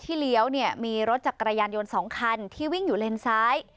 เลี้ยวเนี่ยมีรถจักรยานยนต์๒คันที่วิ่งอยู่เลนซ้าย